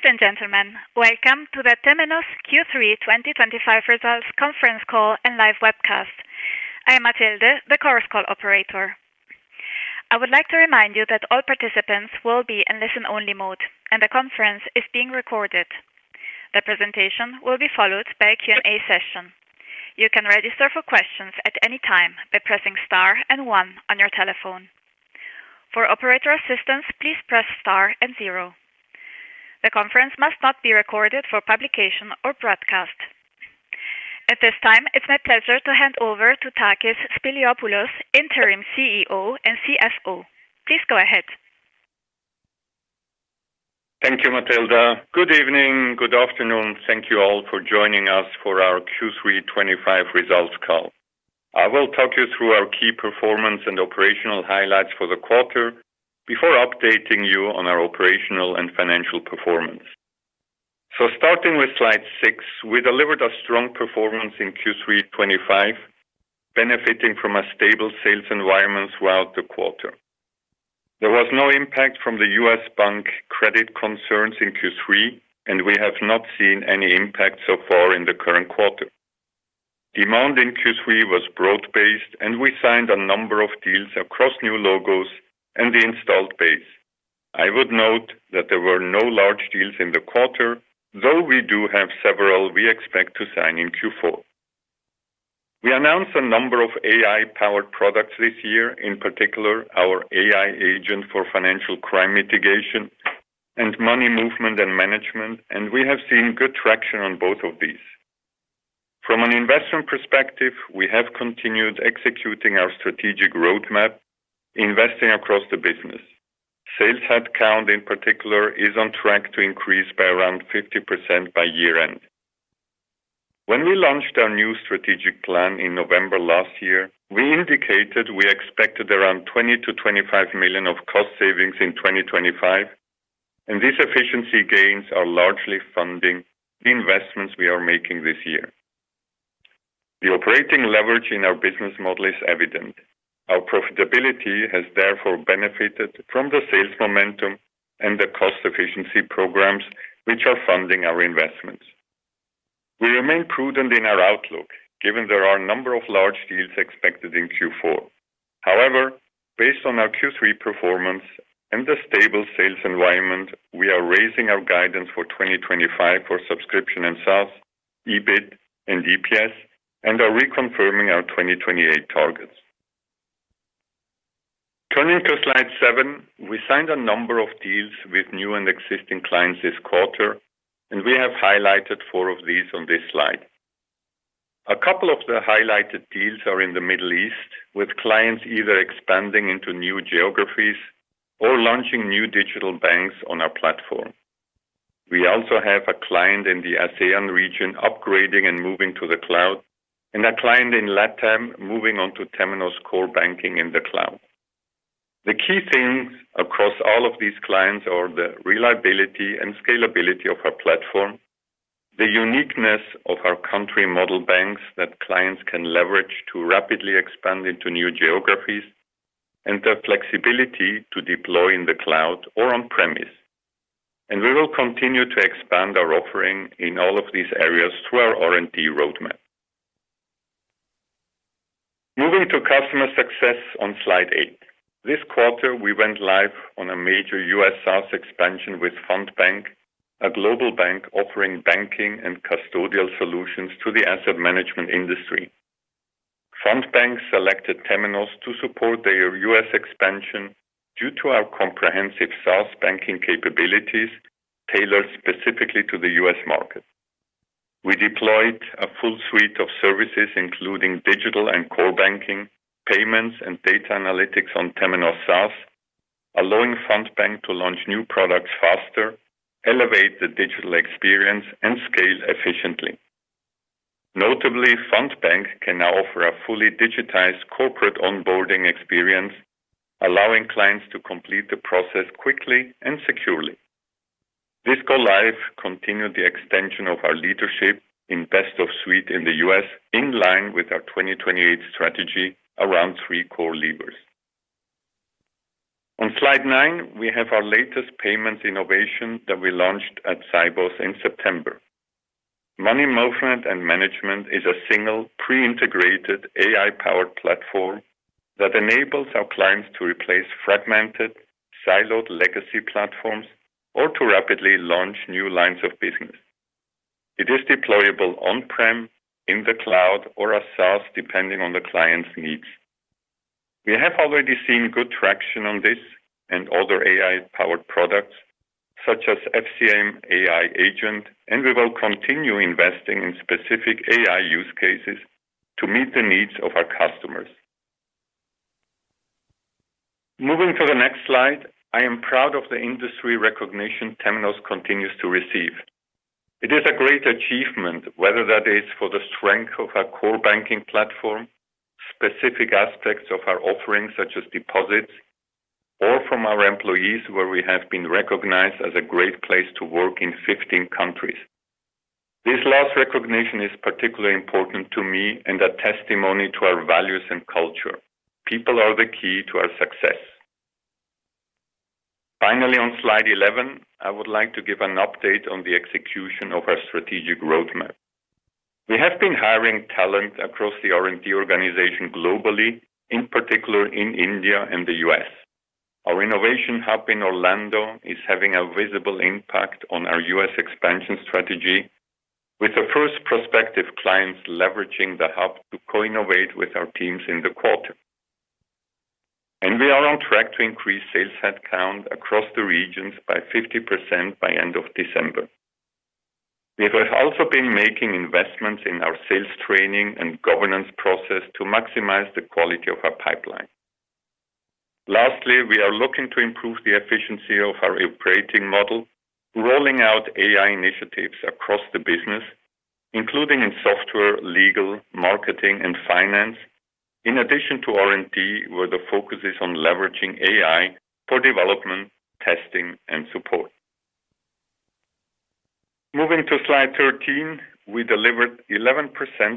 Ladies and gentlemen, welcome to the Temenos Q3 2025 results conference call and live webcast. I am Matilde, the course call operator. I would like to remind you that all participants will be in listen-only mode, and the conference is being recorded. The presentation will be followed by a Q&A session. You can register for questions at any time by pressing star and one on your telephone. For operator assistance, please press star and zero. The conference must not be recorded for publication or broadcast. At this time, it's my pleasure to hand over to Takis Spiliopoulos, Interim CEO and CFO. Please go ahead. Thank you, Matilde. Good evening, good afternoon. Thank you all for joining us for our Q3 2025 results call. I will talk you through our key performance and operational highlights for the quarter before updating you on our operational and financial performance. Starting with slide six, we delivered a strong performance in Q3 2025, benefiting from a stable sales environment throughout the quarter. There was no impact from the U.S. bank credit concerns in Q3, and we have not seen any impact so far in the current quarter. Demand in Q3 was broad-based, and we signed a number of deals across new logos and the installed base. I would note that there were no large deals in the quarter, though we do have several we expect to sign in Q4. We announced a number of AI-powered products this year, in particular our FCM AI Agent for financial crime mitigation and Money Movement and Management platform, and we have seen good traction on both of these. From an investment perspective, we have continued executing our strategic roadmap, investing across the business. Sales headcount, in particular, is on track to increase by around 50% by year-end. When we launched our new strategic plan in November last year, we indicated we expected around $20-$25 million of cost savings in 2025, and these efficiency gains are largely funding the investments we are making this year. The operating leverage in our business model is evident. Our profitability has therefore benefited from the sales momentum and the cost efficiency programs which are funding our investments. We remain prudent in our outlook given there are a number of large deals expected in Q4. However, based on our Q3 performance and the stable sales environment, we are raising our guidance for 2025 for subscription and SaaS, EBIT, and EPS, and are reconfirming our 2028 targets. Turning to slide seven, we signed a number of deals with new and existing clients this quarter, and we have highlighted four of these on this slide. A couple of the highlighted deals are in the Middle East, with clients either expanding into new geographies or launching new digital banks on our platform. We also have a client in the ASEAN region upgrading and moving to the cloud, and a client in LATAM moving on to Temenos core banking in the cloud. The key things across all of these clients are the reliability and scalability of our platform, the uniqueness of our country model banks that clients can leverage to rapidly expand into new geographies, and the flexibility to deploy in the cloud or on-premise. We will continue to expand our offering in all of these areas through our R&D roadmap. Moving to customer success on slide eight, this quarter, we went live on a major U.S. SaaS expansion with Frontbank, a global bank offering banking and custodial solutions to the asset management industry. Frontbank selected Temenos to support their U.S. expansion due to our comprehensive SaaS banking capabilities tailored specifically to the U.S. market. We deployed a full suite of services, including digital and core banking, payments, and data analytics on Temenos SaaS, allowing Frontbank to launch new products faster, elevate the digital experience, and scale efficiently. Notably, Frontbank can now offer a fully digitized corporate onboarding experience, allowing clients to complete the process quickly and securely. This go-live continued the extension of our leadership in best of suite in the U.S., in line with our 2028 strategy around three core levers. On slide nine, we have our latest payments innovation that we launched at Sibos in September. Money Movement and Management is a single pre-integrated AI-powered platform that enables our clients to replace fragmented, siloed legacy platforms or to rapidly launch new lines of business. It is deployable on-prem, in the cloud, or as SaaS, depending on the client's needs. We have already seen good traction on this and other AI-powered products such as FCM AI Agent, and we will continue investing in specific AI use cases to meet the needs of our customers. Moving to the next slide, I am proud of the industry recognition Temenos continues to receive. It is a great achievement, whether that is for the strength of our core banking platform, specific aspects of our offering such as deposits, or from our employees where we have been recognized as a great place to work in 15 countries. This last recognition is particularly important to me and a testimony to our values and culture. People are the key to our success. Finally, on slide 11, I would like to give an update on the execution of our strategic roadmap. We have been hiring talent across the R&D organization globally, in particular in India and the U.S. Our innovation hub in Orlando is having a visible impact on our U.S. expansion strategy, with the first prospective clients leveraging the hub to co-innovate with our teams in the quarter. We are on track to increase sales headcount across the regions by 50% by end of December. We have also been making investments in our sales training and governance process to maximize the quality of our pipeline. Lastly, we are looking to improve the efficiency of our operating model, rolling out AI initiatives across the business, including in software, legal, marketing, and finance, in addition to R&D where the focus is on leveraging AI for development, testing, and support. Moving to slide 13, we delivered 11%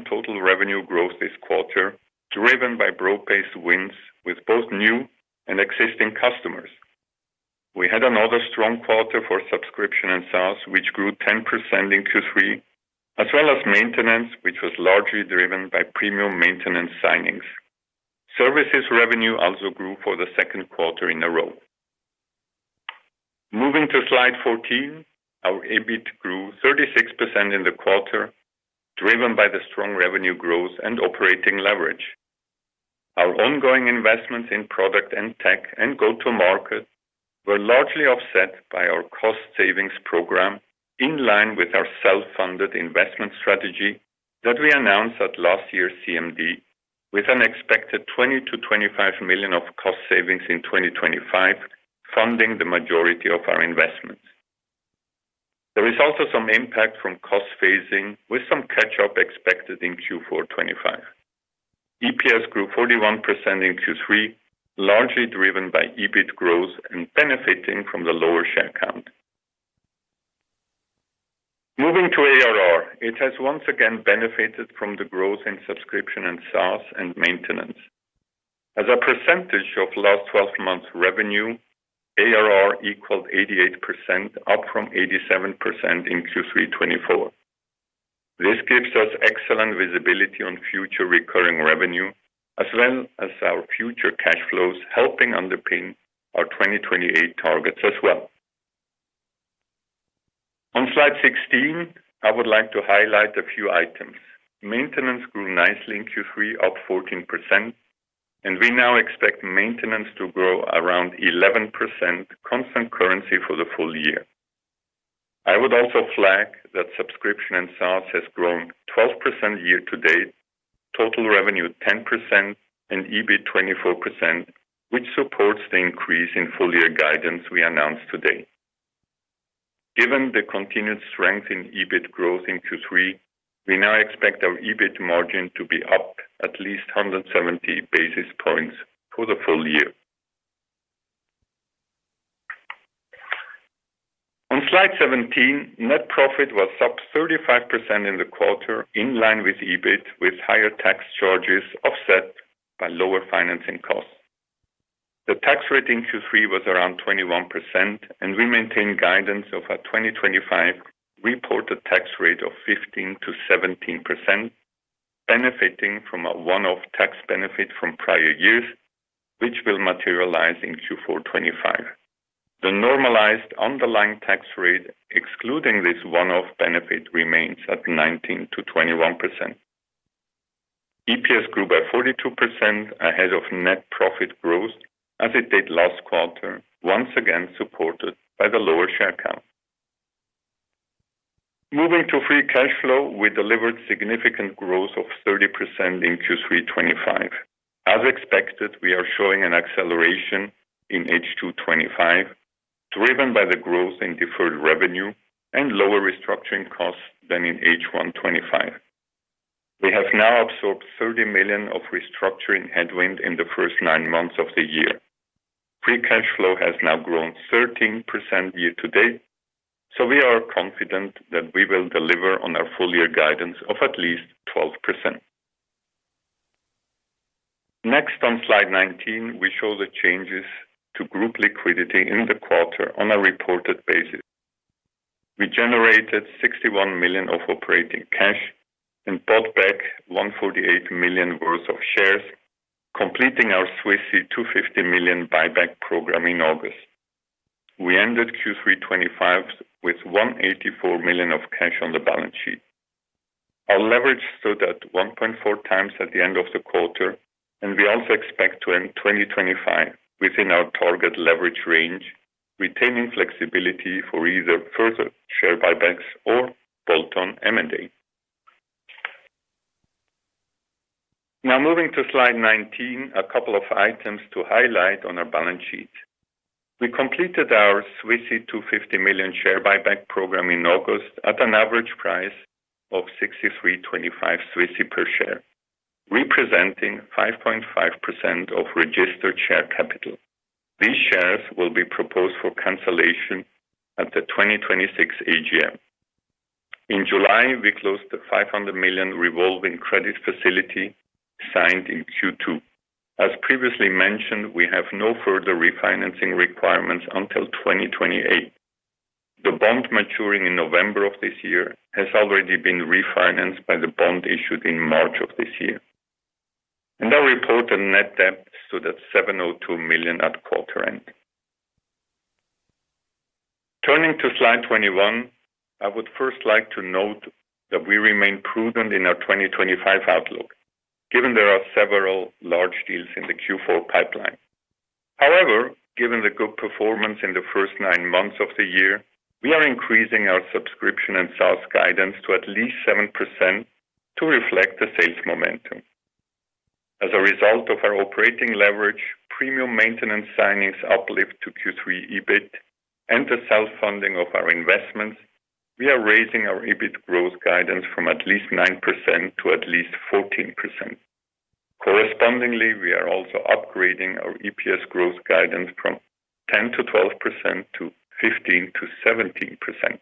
total revenue growth this quarter, driven by broad-based wins with both new and existing customers. We had another strong quarter for subscription and SaaS, which grew 10% in Q3, as well as maintenance, which was largely driven by premium maintenance signings. Services revenue also grew for the second quarter in a row. Moving to slide 14, our EBIT grew 36% in the quarter, driven by the strong revenue growth and operating leverage. Our ongoing investments in product and tech and go-to-market were largely offset by our cost savings program, in line with our self-funded investment strategy that we announced at last year's CMD, with an expected $20-$25 million of cost savings in 2025, funding the majority of our investments. There is also some impact from cost phasing, with some catch-up expected in Q4 2025. EPS grew 41% in Q3, largely driven by EBIT growth and benefiting from the lower share count. Moving to ARR, it has once again benefited from the growth in subscription and SaaS and maintenance. As a percentage of last 12 months' revenue, ARR equaled 88%, up from 87% in Q3 2024. This gives us excellent visibility on future recurring revenue, as well as our future cash flows, helping underpin our 2028 targets as well. On slide 16, I would like to highlight a few items. Maintenance grew nicely in Q3, up 14%, and we now expect maintenance to grow around 11%, constant currency for the full year. I would also flag that subscription and SaaS has grown 12% year to date, total revenue 10%, and EBIT 24%, which supports the increase in full-year guidance we announced today. Given the continued strength in EBIT growth in Q3, we now expect our EBIT margin to be up at least 170 basis points for the full year. On slide 17, net profit was up 35% in the quarter, in line with EBIT, with higher tax charges offset by lower financing costs. The tax rate in Q3 was around 21%, and we maintain guidance of a 2025 reported tax rate of 15%-17%, benefiting from a one-off tax benefit from prior years, which will materialize in Q4 2025. The normalized underlying tax rate excluding this one-off benefit remains at 19%-21%. EPS grew by 42% ahead of net profit growth, as it did last quarter, once again supported by the lower share count. Moving to free cash flow, we delivered significant growth of 30% in Q3 2025. As expected, we are showing an acceleration in H2 2025, driven by the growth in deferred revenue and lower restructuring costs than in H1 2025. We have now absorbed $30 million of restructuring headwind in the first nine months of the year. Free cash flow has now grown 13% year to date, so we are confident that we will deliver on our full-year guidance of at least 12%. Next, on slide 19, we show the changes to group liquidity in the quarter on a reported basis. We generated $61 million of operating cash and bought back $148 million worth of shares, completing our 250 million buyback program in August. We ended Q3 2025 with $184 million of cash on the balance sheet. Our leverage stood at 1.4 times at the end of the quarter, and we also expect to end 2025 within our target leverage range, retaining flexibility for either further share buybacks or bolt-on M&A. Now, moving to slide 19, a couple of items to highlight on our balance sheet. We completed our 250 million share buyback program in August at an average price of 63.25 per share, representing 5.5% of registered share capital. These shares will be proposed for cancellation at the 2026 AGM. In July, we closed the 500 million revolving credit facility signed in Q2. As previously mentioned, we have no further refinancing requirements until 2028. The bond maturing in November of this year has already been refinanced by the bond issued in March of this year. Our reported net debt stood at $702 million at quarter end. Turning to slide 21, I would first like to note that we remain prudent in our 2025 outlook, given there are several large deals in the Q4 pipeline. However, given the good performance in the first nine months of the year, we are increasing our subscription and SaaS guidance to at least 7% to reflect the sales momentum. As a result of our operating leverage, premium maintenance signings uplift to Q3 EBIT, and the self-funding of our investments, we are raising our EBIT growth guidance from at least 9% to at least 14%. Correspondingly, we are also upgrading our EPS growth guidance from 10%-12%-15%-17%.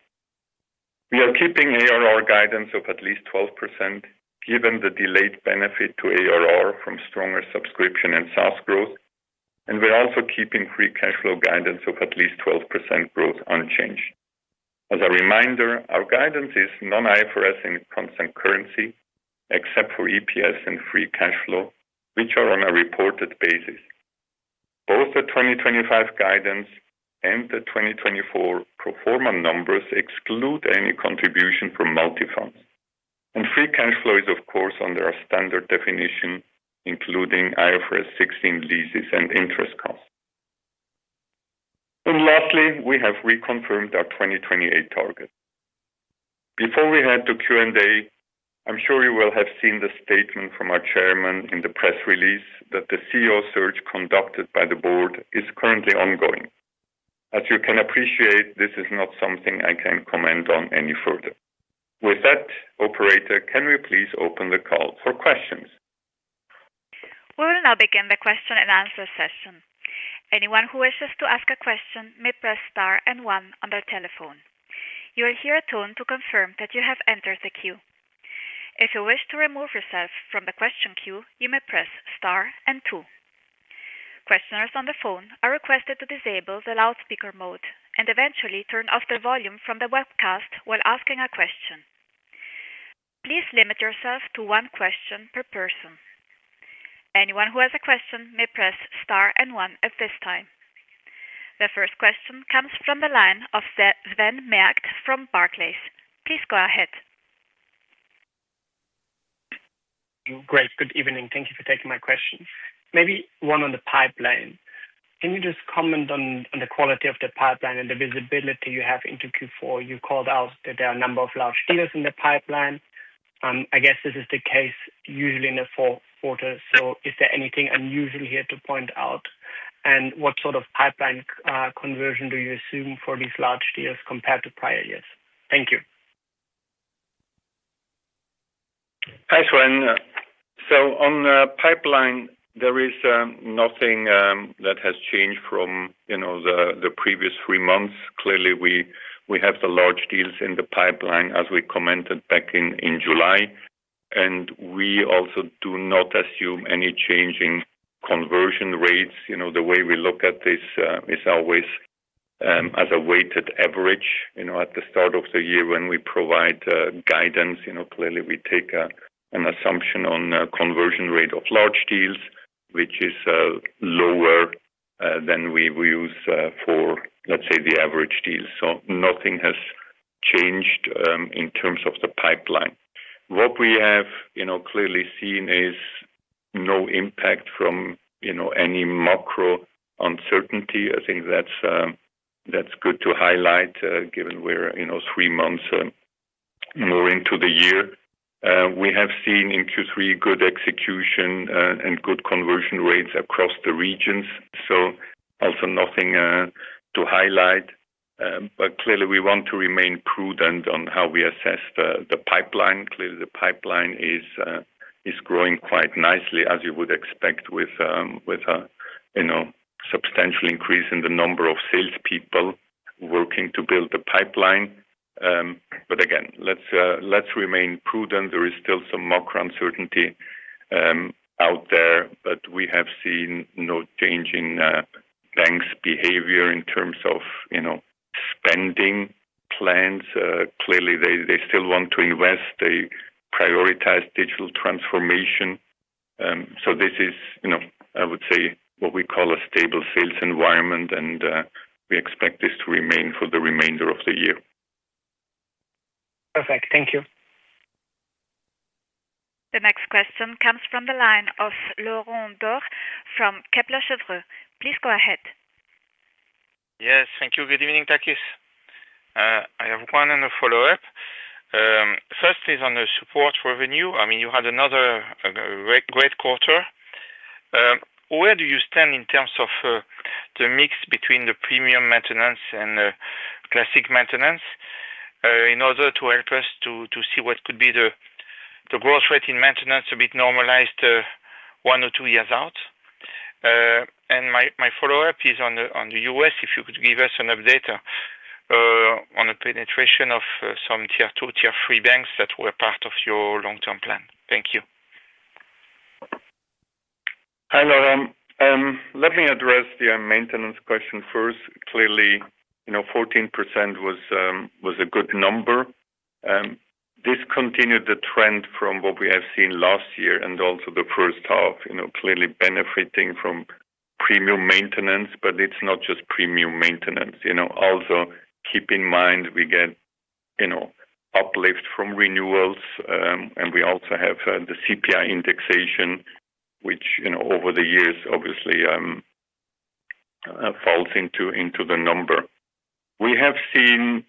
We are keeping ARR guidance of at least 12%, given the delayed benefit to ARR from stronger subscription and SaaS growth, and we're also keeping free cash flow guidance of at least 12% growth unchanged. As a reminder, our guidance is non-IFRS in constant currency, except for EPS and free cash flow, which are on a reported basis. Both the 2025 guidance and the 2024 pro forma numbers exclude any contribution from multi-funds. Free cash flow is, of course, under our standard definition, including IFRS 16 leases and interest costs. Lastly, we have reconfirmed our 2028 target. Before we head to Q&A, I'm sure you will have seen the statement from our Chairman in the press release that the CEO search conducted by the Board is currently ongoing. As you can appreciate, this is not something I can comment on any further. With that, operator, can we please open the call for questions? We will now begin the question and answer session. Anyone who wishes to ask a question may press star and one on their telephone. You will hear a tone to confirm that you have entered the queue. If you wish to remove yourself from the question queue, you may press star and two. Questioners on the phone are requested to disable the loudspeaker mode and eventually turn off the volume from the webcast while asking a question. Please limit yourself to one question per person. Anyone who has a question may press star and one at this time. The first question comes from the line of Sven Merkt from Barclays. Please go ahead. Great. Good evening. Thank you for taking my question. Maybe one on the pipeline. Can you just comment on the quality of the pipeline and the visibility you have into Q4? You called out that there are a number of large deals in the pipeline. I guess this is the case usually in the fourth quarter. Is there anything unusual here to point out? What sort of pipeline conversion do you assume for these large deals compared to prior years? Thank you. Thanks, Wen. On the pipeline, there is nothing that has changed from the previous three months. Clearly, we have the large deals in the pipeline, as we commented back in July. We also do not assume any changing conversion rates. The way we look at this is always as a weighted average at the start of the year when we provide guidance. Clearly, we take an assumption on the conversion rate of large deals, which is lower than we use for, let's say, the average deal. Nothing has changed in terms of the pipeline. What we have clearly seen is no impact from any macro uncertainty. I think that's good to highlight, given we're three months more into the year. We have seen in Q3 good execution and good conversion rates across the regions. Also, nothing to highlight. We want to remain prudent on how we assess the pipeline. Clearly, the pipeline is growing quite nicely, as you would expect, with a substantial increase in the number of salespeople working to build the pipeline. Again, let's remain prudent. There is still some macro uncertainty out there, but we have seen no change in banks' behavior in terms of spending plans. Clearly, they still want to invest. They prioritize digital transformation. This is, I would say, what we call a stable sales environment, and we expect this to remain for the remainder of the year. Perfect. Thank you. The next question comes from the line of Laurent Daure from Kepler Cheuvreux. Please go ahead. Yes. Thank you. Good evening, Takis. I have one and a follow-up. First is on the support revenue. You had another great quarter. Where do you stand in terms of the mix between the premium maintenance and the classic maintenance in order to help us to see what could be the growth rate in maintenance a bit normalized one or two years out? My follow-up is on the U.S. If you could give us an update on the penetration of some tier two, tier three banks that were part of your long-term plan. Thank you. Hi, Laurent. Let me address the maintenance question first. Clearly, 14% was a good number. This continued the trend from what we have seen last year and also the first half, clearly benefiting from premium maintenance, but it's not just premium maintenance. Also keep in mind we get uplift from renewals, and we also have the CPI indexation, which over the years obviously falls into the number. We have seen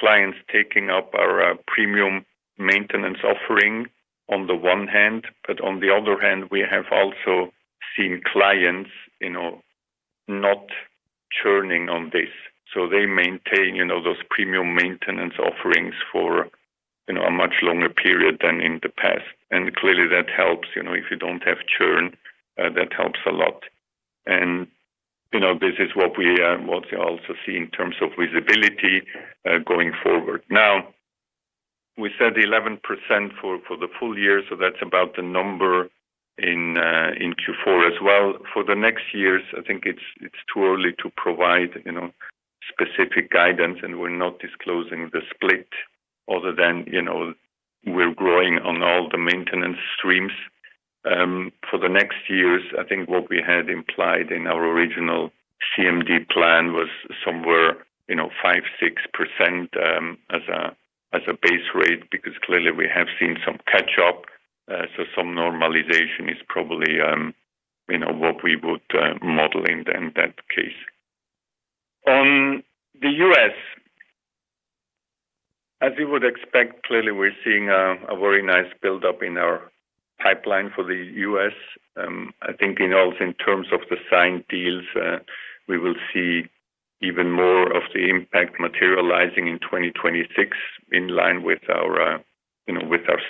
clients taking up our premium maintenance offering on the one hand, but on the other hand, we have also seen clients not churning on this. They maintain those premium maintenance offerings for a much longer period than in the past. Clearly, that helps. If you don't have churn, that helps a lot. This is what we also see in terms of visibility going forward. Now, we said 11% for the full year, so that's about the number in Q4 as well. For the next years, I think it's too early to provide specific guidance, and we're not disclosing the split other than we're growing on all the maintenance streams. For the next years, I think what we had implied in our original CMD plan was somewhere 5%, 6% as a base rate because clearly we have seen some catch-up. Some normalization is probably what we would model in that case. On the U.S., as you would expect, clearly we're seeing a very nice build-up in our pipeline for the U.S. I think in terms of the signed deals, we will see even more of the impact materializing in 2026 in line with our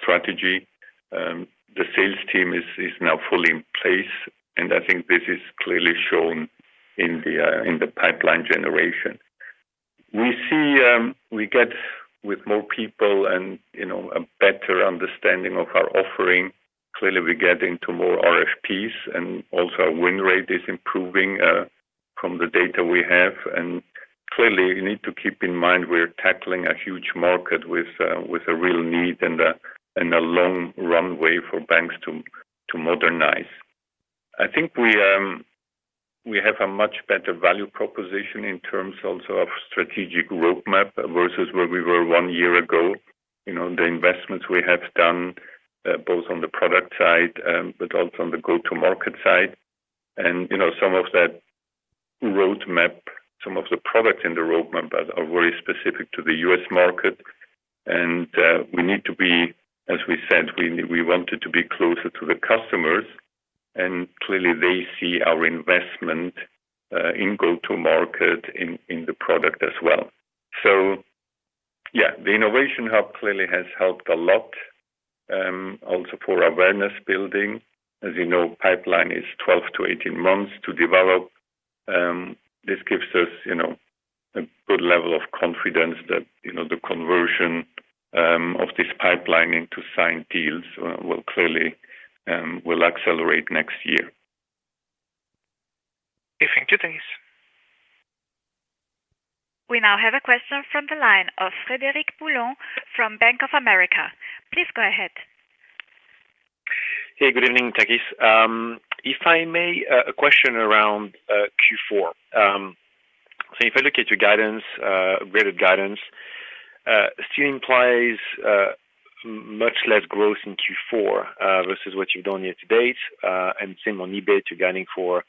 strategy. The sales team is now fully in place, and I think this is clearly shown in the pipeline generation. We see we get with more people and a better understanding of our offering. Clearly, we get into more RFPs, and also our win rate is improving from the data we have. You need to keep in mind we're tackling a huge market with a real need and a long runway for banks to modernize. I think we have a much better value proposition in terms also of strategic roadmap versus where we were one year ago. The investments we have done, both on the product side, but also on the go-to-market side. Some of that roadmap, some of the products in the roadmap are very specific to the U.S. market. We need to be, as we said, we wanted to be closer to the customers, and clearly they see our investment in go-to-market in the product as well. The innovation hub clearly has helped a lot. Also, for awareness building, as you know, pipeline is 12-18 months to develop. This gives us a good level of confidence that the conversion of this pipeline into signed deals will clearly accelerate next year. Thank you, Takis. We now have a question from the line of Frederic Boulan from Bank of America. Please go ahead. Hey, good evening, Takis. If I may, a question around Q4. If I look at your guidance, upgraded guidance, it still implies much less growth in Q4 versus what you've done year to date. Same on EBIT, you're gaining for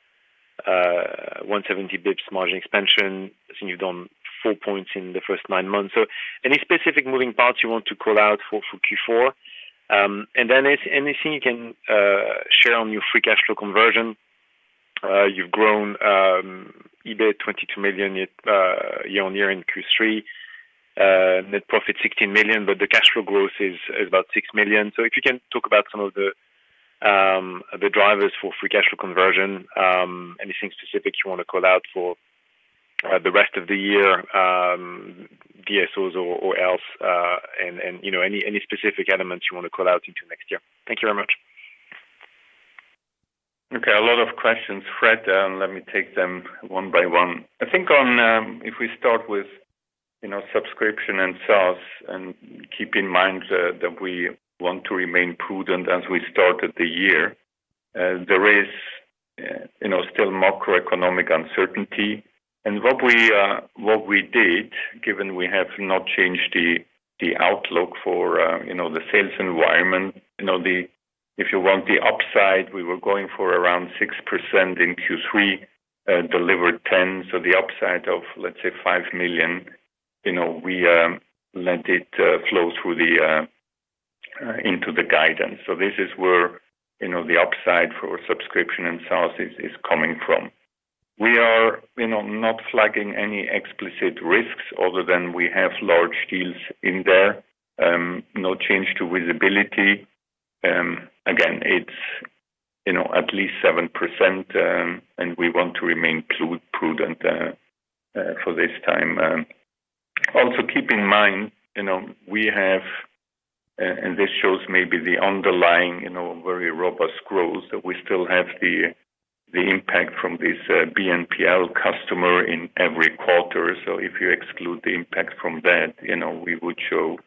170 bps margin expansion since you've done four points in the first nine months. Are there any specific moving parts you want to call out for Q4? Is there anything you can share on your free cash flow conversion? You've grown EBIT $22 million year on year in Q3. Net profit $16 million, but the cash flow growth is about $6 million. If you can talk about some of the drivers for free cash flow conversion, anything specific you want to call out for the rest of the year, DSOs or else, and any specific elements you want to call out into next year. Thank you very much. Okay, a lot of questions, Fred. Let me take them one by one. I think if we start with, you know, subscription and SaaS and keep in mind that we want to remain prudent as we started the year, there is, you know, still macroeconomic uncertainty. What we did, given we have not changed the outlook for, you know, the sales environment, you know, if you want the upside, we were going for around 6% in Q3, delivered 10%. The upside of, let's say, $5 million, you know, we let it flow through into the guidance. This is where, you know, the upside for subscription and SaaS is coming from. We are, you know, not flagging any explicit risks other than we have large deals in there. No change to visibility. Again, it's, you know, at least 7%, and we want to remain prudent for this time. Also, keep in mind, you know, we have, and this shows maybe the underlying, you know, very robust growth that we still have the impact from this BNPL customer in every quarter. If you exclude the impact from that, you know, we would show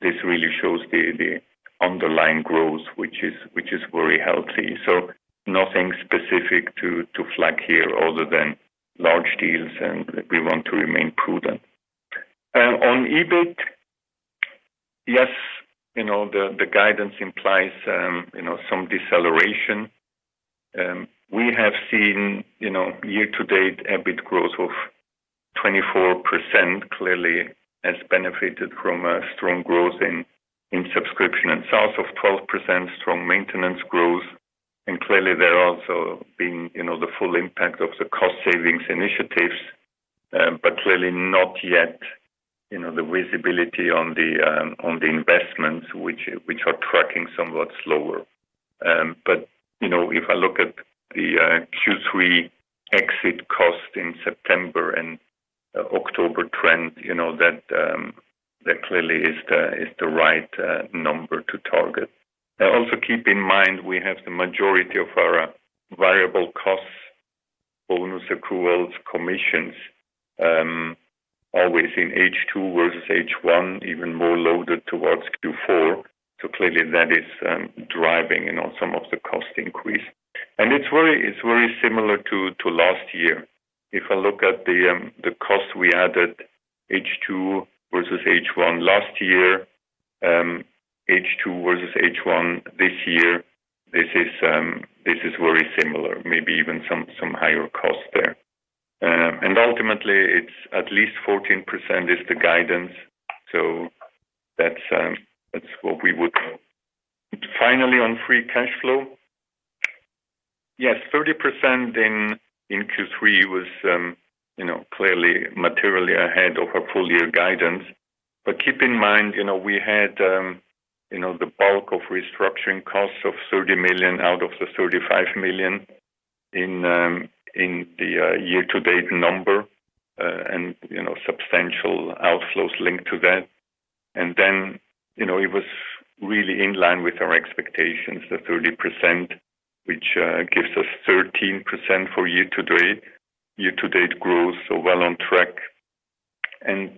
this really shows the underlying growth, which is very healthy. Nothing specific to flag here other than large deals, and we want to remain prudent. On EBIT, yes, you know, the guidance implies some deceleration. We have seen, you know, year to date EBIT growth of 24% clearly has benefited from a strong growth in subscription and SaaS of 12%, strong maintenance growth. Clearly, there also been, you know, the full impact of the cost savings initiatives, but clearly not yet, you know, the visibility on the investments, which are tracking somewhat slower. If I look at the Q3 exit cost in September and October trend, you know, that clearly is the right number to target. Also, keep in mind we have the majority of our variable costs, bonus accruals, commissions always in H2 versus H1, even more loaded towards Q4. That is driving, you know, some of the cost increase. It's very similar to last year. If I look at the cost we added H2 versus H1 last year, H2 versus H1 this year, this is very similar, maybe even some higher cost there. Ultimately, it's at least 14% is the guidance. That's what we would. Finally, on free cash flow, yes, 30% in Q3 was, you know, clearly materially ahead of our full-year guidance. Keep in mind, you know, we had, you know, the bulk of restructuring costs of $30 million out of the $35 million in the year-to-date number and, you know, substantial outflows linked to that. It was really in line with our expectations, the 30%, which gives us 13% for year-to-date growth, so well on track. There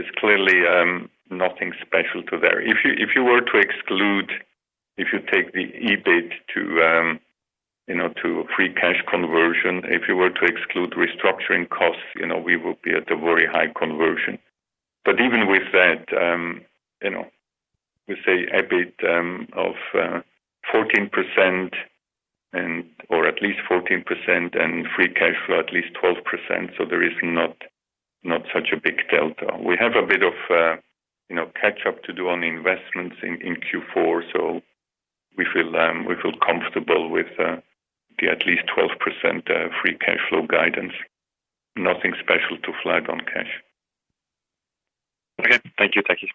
is clearly nothing special to there. If you were to exclude, if you take the EBIT to a free cash conversion, if you were to exclude restructuring costs, we would be at a very high conversion. Even with that, we say EBIT of 14% and or at least 14% and free cash flow at least 12%, so there is not such a big delta. We have a bit of catch-up to do on investments in Q4, so we feel comfortable with the at least 12% free cash flow guidance. Nothing special to flag on cash. Okay. Thank you, Takis.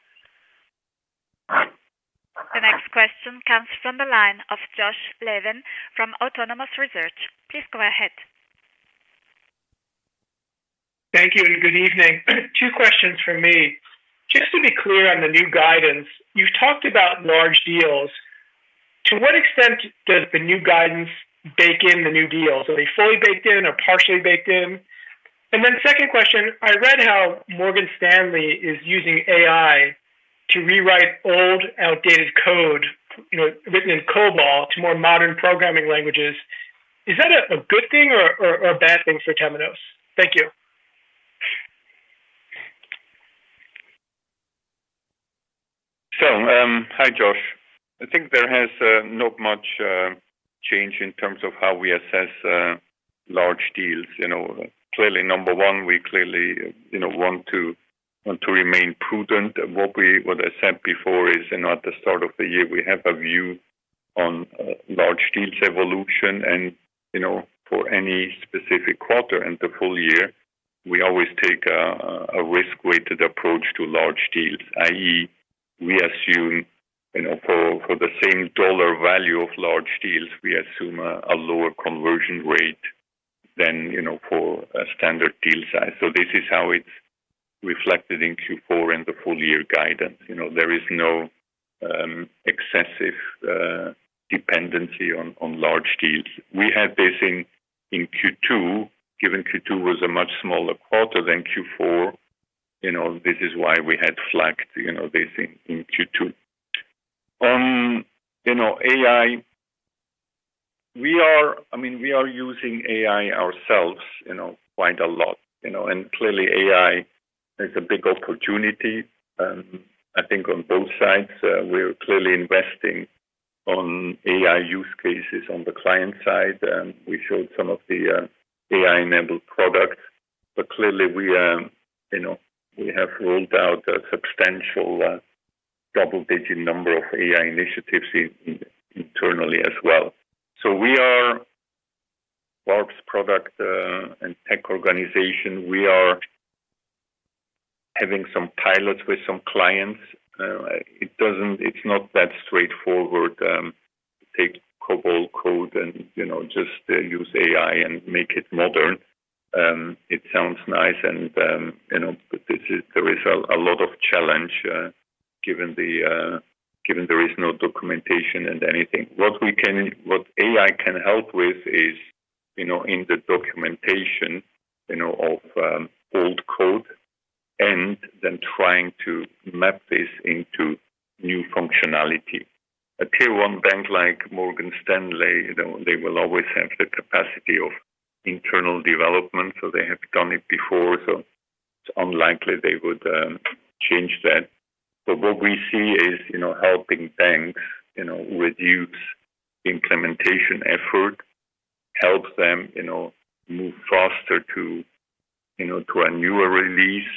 The next question comes from the line of Josh Levin from Autonomous Research. Please go ahead. Thank you and good evening. Two questions for me. Just to be clear on the new guidance, you've talked about large deals. To what extent does the new guidance bake in the new deals? Are they fully baked in or partially baked in? My second question, I read how Morgan Stanley is using AI to rewrite old outdated code, you know, written in COBOL to more modern programming languages. Is that a good thing or a bad thing for Temenos? Thank you. Hi, Josh. I think there has not been much change in terms of how we assess large deals. Clearly, number one, we want to remain prudent. What I said before is, at the start of the year, we have a view on large deals evolution. For any specific quarter and the full year, we always take a risk-weighted approach to large deals, i.e., we assume for the same dollar value of large deals, we assume a lower conversion rate than for a standard deal size. This is how it's reflected in Q4 and the full-year guidance. There is no excessive dependency on large deals. We had this in Q2. Given Q2 was a much smaller quarter than Q4, this is why we had flagged this in Q2. AI, we are using AI ourselves quite a lot, and clearly, AI is a big opportunity. I think on both sides, we're investing in AI use cases on the client side. We showed some of the AI-enabled products. We have rolled out a substantial double-digit number of AI initiatives internally as well. We are a large product and tech organization. We are having some pilots with some clients. It is not that straightforward to take COBOL code and just use AI and make it modern. It sounds nice, but there is a lot of challenge given there is no documentation or anything. What AI can help with is in the documentation of old code and then trying to map this into new functionality. A tier one bank like Morgan Stanley, they will always have the capacity of internal development. They have done it before, so it's unlikely they would change that. What we see is helping banks reduce the implementation effort, help them move faster to a newer release,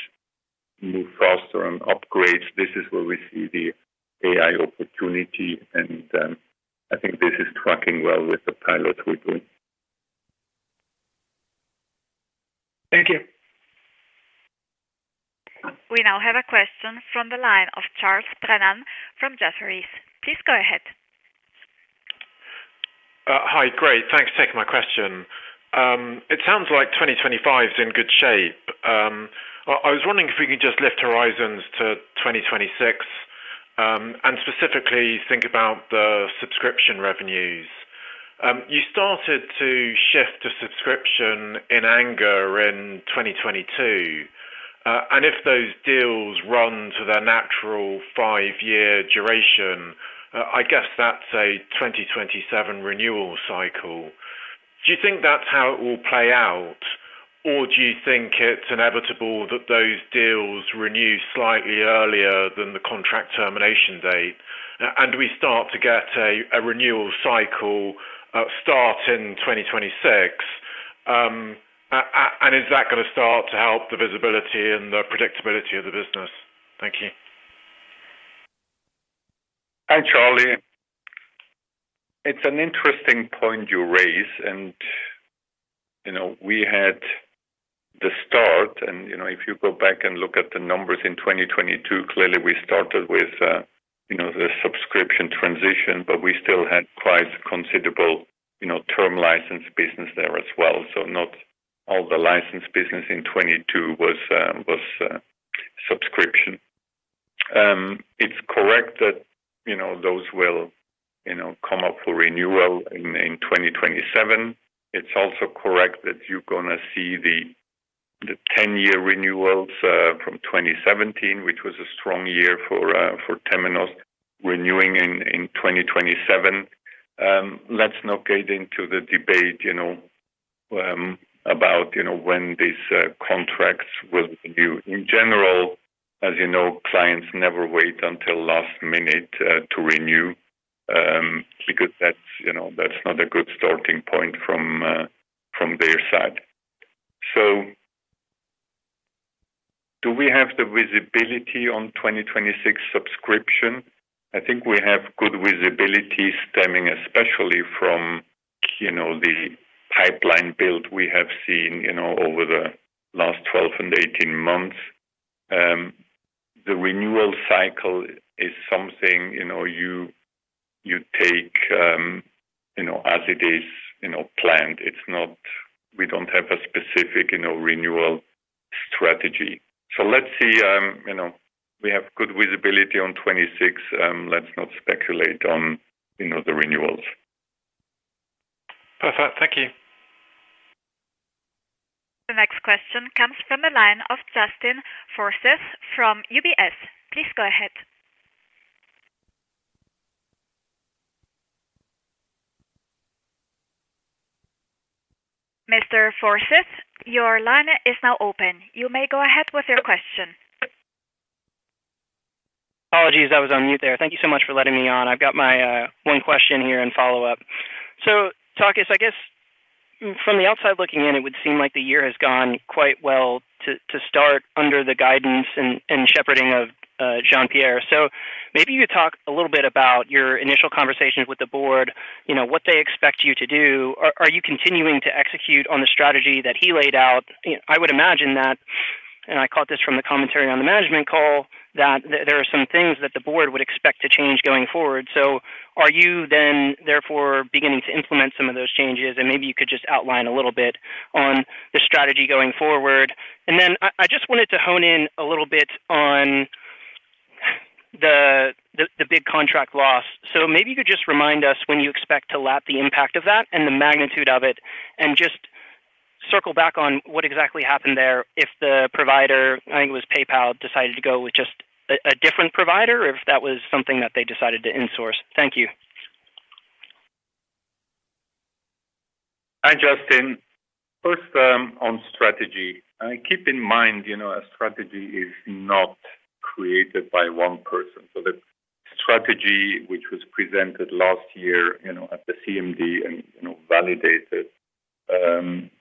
move faster on upgrades. This is where we see the AI opportunity, and I think this is tracking well with the pilots we're doing. Thank you. We now have a question from the line of Charles Brennan from Jefferies. Please go ahead. Hi. Great. Thanks for taking my question. It sounds like 2025 is in good shape. I was wondering if we can just lift horizons to 2026 and specifically think about the subscription revenues. You started to shift to subscription in anger in 2022. If those deals run to their natural five-year duration, I guess that's a 2027 renewal cycle. Do you think that's how it will play out, or do you think it's inevitable that those deals renew slightly earlier than the contract termination date? Do we start to get a renewal cycle start in 2026? Is that going to start to help the visibility and the predictability of the business? Thank you. Hi, Charlie. It's an interesting point you raise. We had the start, and if you go back and look at the numbers in 2022, clearly we started with the subscription transition, but we still had quite a considerable term license business there as well. Not all the license business in 2022 was subscription. It's correct that those will come up for renewal in 2027. It's also correct that you're going to see the 10-year renewals from 2017, which was a strong year for Temenos renewing in 2027. Let's not get into the debate about when these contracts will renew. In general, as you know, clients never wait until the last minute to renew because that's not a good starting point from their side. Do we have the visibility on 2026 subscription? I think we have good visibility stemming especially from the pipeline build we have seen over the last 12 and 18 months. The renewal cycle is something you take as it is planned. We don't have a specific renewal strategy. Let's see, we have good visibility on 2026. Let's not speculate on the renewals. Perfect. Thank you. The next question comes from the line of Justin Forsythe from UBS. Please go ahead. Mr. Forsythe, your line is now open. You may go ahead with your question. Apologies. I was on mute there. Thank you so much for letting me on. I've got my one question here and follow-up. Takis, I guess from the outside looking in, it would seem like the year has gone quite well to start under the guidance and shepherding of Jean-Pierre. Maybe you could talk a little bit about your initial conversations with the board, you know, what they expect you to do. Are you continuing to execute on the strategy that he laid out? I would imagine that, and I caught this from the commentary on the management call, there are some things that the board would expect to change going forward. Are you then therefore beginning to implement some of those changes? Maybe you could just outline a little bit on the strategy going forward. I just wanted to hone in a little bit on the big contract loss. Maybe you could just remind us when you expect to lap the impact of that and the magnitude of it and just circle back on what exactly happened there if the provider, I think it was PayPal, decided to go with just a different provider or if that was something that they decided to insource. Thank you. Hi, Justin. First, on strategy, I keep in mind, you know, a strategy is not created by one person. The strategy, which was presented last year at the CMD and validated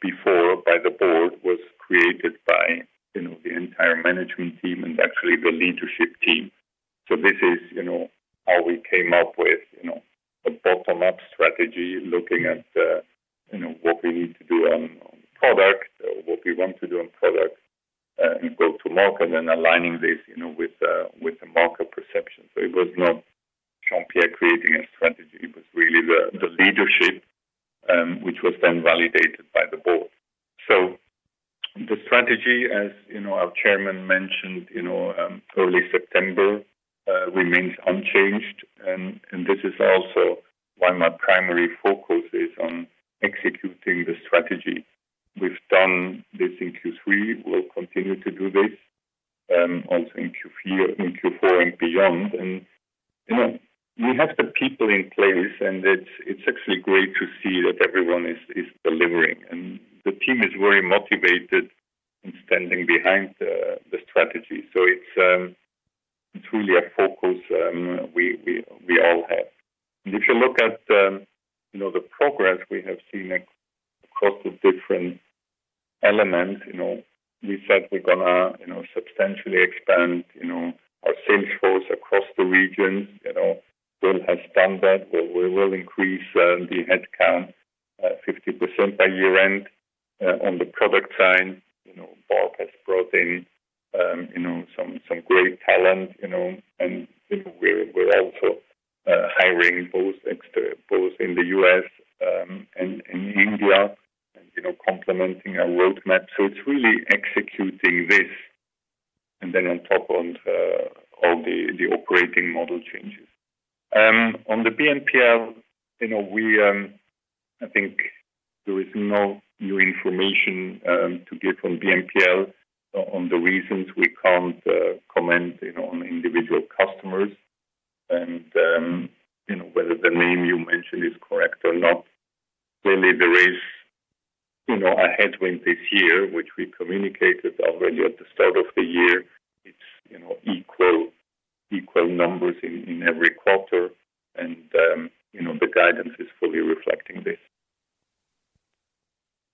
before by the board, was created by the entire management team and actually the leadership team. This is how we came up with a bottom-up strategy, looking at what we need to do on product, or what we want to do on product, and go to market and aligning this with the market perception. It was not Jean-Pierre creating a strategy. It was really the leadership, which was then validated by the board. The strategy, as you know, our Chairman mentioned early September, remains unchanged. This is also why my primary focus is on executing the strategy. We've done this in Q3. We'll continue to do this, also in Q4 and beyond. We have the people in place, and it's actually great to see that everyone is delivering. The team is very motivated in standing behind the strategy. It's really a focus we all have. If you look at the progress we have seen across the different elements, we said we're going to substantially expand our salesforce across the regions. We'll have done that. We will increase the headcount 50% by year end. On the product side, Barb has brought in some great talent, and we're also hiring both in the U.S. and in India and complementing our roadmap. It's really executing this. On top of all the operating model changes, on the BNPL, I think there is no new information to give on BNPL on the reasons we can't comment on individual customers. Whether the name you mentioned is correct or not, clearly there is a headwind this year, which we communicated already at the start of the year. It's equal numbers in every quarter, and the guidance is fully reflecting this.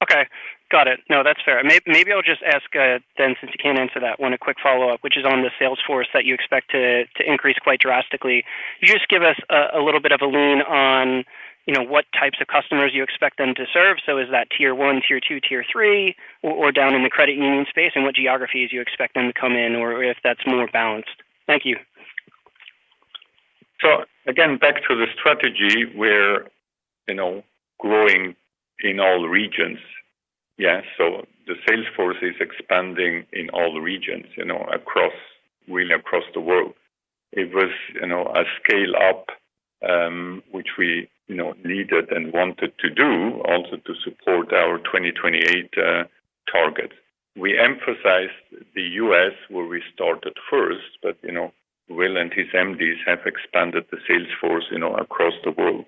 Okay. Got it. No, that's fair. Maybe I'll just ask then, since you can't answer that, one quick follow-up, which is on the salesforce that you expect to increase quite drastically. Could you give us a little bit of a lean on what types of customers you expect them to serve? Is that tier one, tier two, tier three, or down in the credit union space? What geographies do you expect them to come in, or is that more balanced? Thank you. Again, back to the strategy where growing in all regions, yeah. The salesforce is expanding in all regions, really across the world. It was a scale-up, which we needed and wanted to do also to support our 2028 targets. We emphasized the US where we started first, but Will and his MDs have expanded the salesforce across the world.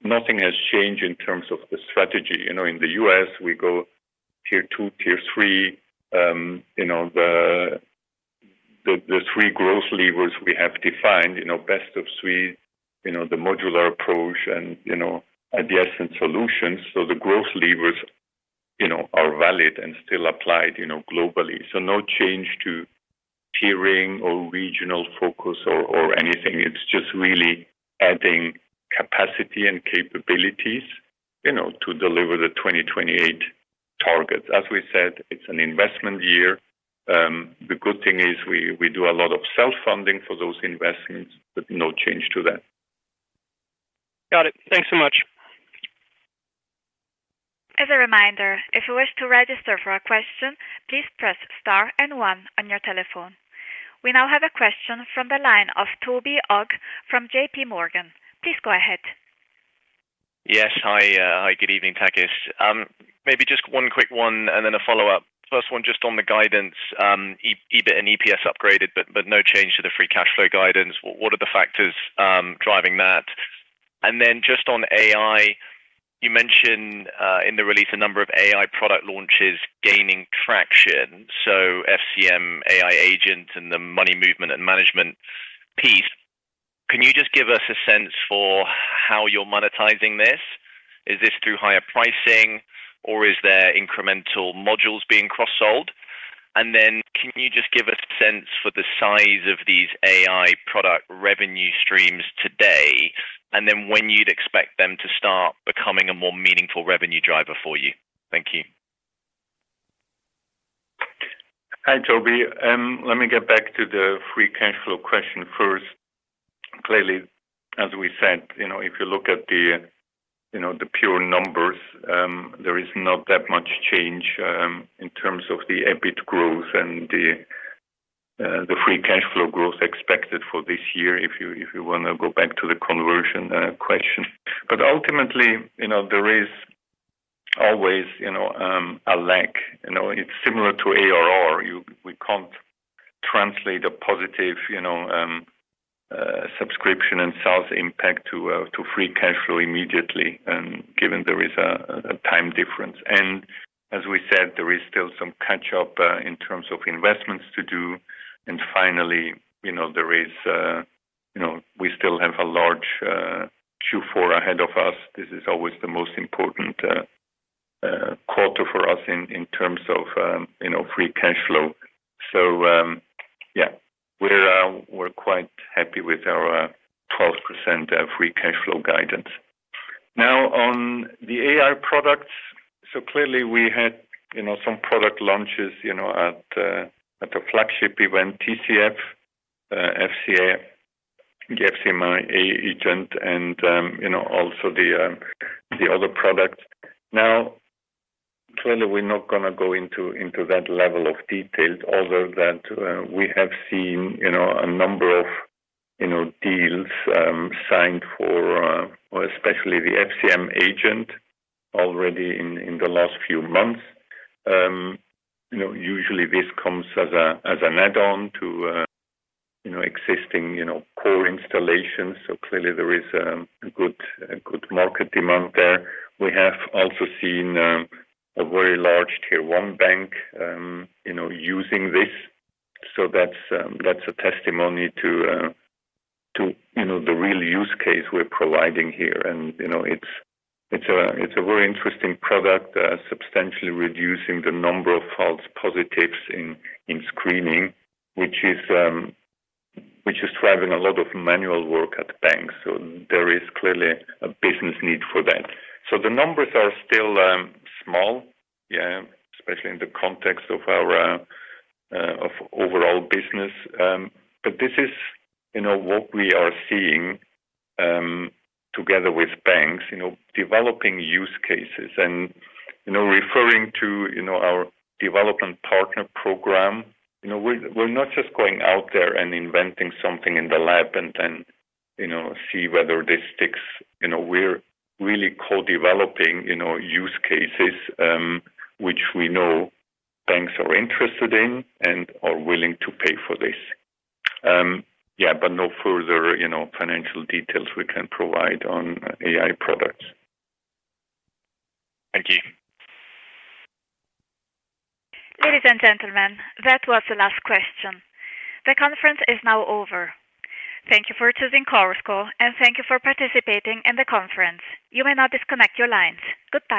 Nothing has changed in terms of the strategy. In the US, we go tier two, tier three. The three growth levers we have defined, best of suite, the modular approach, and adjacent solutions. The growth levers are valid and still applied globally. No change to tiering or regional focus or anything. It's just really adding capacity and capabilities to deliver the 2028 targets. As we said, it's an investment year. The good thing is we do a lot of self-funding for those investments, but no change to that. Got it. Thanks so much. As a reminder, if you wish to register for a question, please press star and one on your telephone. We now have a question from the line of Toby Ogg from JPMorgan. Please go ahead. Yes. Hi. Hi. Good evening, Takis. Maybe just one quick one and then a follow-up. First one, just on the guidance, EBIT and EPS upgraded, but no change to the free cash flow guidance. What are the factors driving that? Just on AI, you mentioned in the release a number of AI product launches gaining traction. So FCM AI Agent and the Money Movement and Management platform. Can you just give us a sense for how you're monetizing this? Is this through higher pricing, or is there incremental modules being cross-sold? Can you just give us a sense for the size of these AI product revenue streams today and when you'd expect them to start becoming a more meaningful revenue driver for you? Thank you. Hi, Toby. Let me get back to the free cash flow question first. Clearly, as we said, if you look at the pure numbers, there is not that much change in terms of the EBIT growth and the free cash flow growth expected for this year if you want to go back to the conversion question. Ultimately, there is always a lag. It's similar to ARR. We can't translate a positive subscription and sales impact to free cash flow immediately given there is a time difference. As we said, there is still some catch-up in terms of investments to do. Finally, we still have a large Q4 ahead of us. This is always the most important quarter for us in terms of free cash flow. We're quite happy with our 12% free cash flow guidance. Now on the AI products. Clearly, we had some product launches at the flagship event TCF, the FCM AI Agent, and also the other products. We're not going to go into that level of detail, although we have seen a number of deals signed for, especially the FCM AI Agent already in the last few months. Usually, this comes as an add-on to existing core installations. There is a good market demand there. We have also seen a very large tier one bank using this. That's a testimony to the real use case we're providing here. It's a very interesting product, substantially reducing the number of false positives in screening, which is driving a lot of manual work at banks. There is clearly a business need for that. The numbers are still small, especially in the context of our overall business. This is what we are seeing together with banks developing use cases. Referring to our development partner program, we're not just going out there and inventing something in the lab and then see whether this sticks. We're really co-developing use cases, which we know banks are interested in and are willing to pay for this. No further financial details we can provide on AI products. Thank you. Ladies and gentlemen, that was the last question. The conference is now over. Thank you for choosing Temenos and thank you for participating in the conference. You may now disconnect your lines. Goodbye.